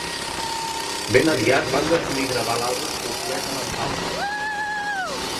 Ben aviat, van decidir gravar l'àlbum complet amb en Palmer.